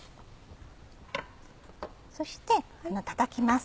そしてたたきます。